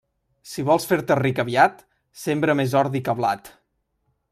Si vols fer-te ric aviat, sembra més ordi que blat.